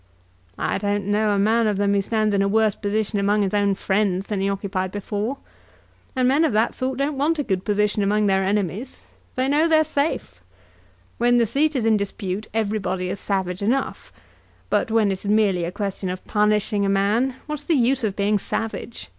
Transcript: "I don't know a man of them who stands in a worse position among his own friends than he occupied before. And men of that sort don't want a good position among their enemies. They know they're safe. When the seat is in dispute everybody is savage enough; but when it is merely a question of punishing a man, what is the use of being savage?